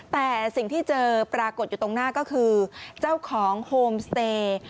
แต่สิ่งที่เจอปรากฏอยู่ตรงหน้าก็คือเจ้าของโฮมสเตย์